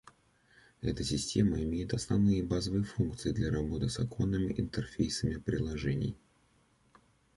Эта система имеет основные базовые функции для работы с оконными интерфейсами приложений